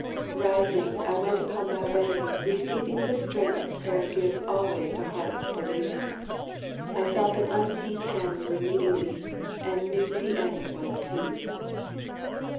Rising, I went upon my way, receiving The strength prayer gives alway to hearts believing. I felt that unseen hands were leading me, And knew the end was peace.